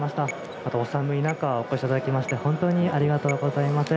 あと、お寒い中お越しいただきまして本当に、ありがとうございます。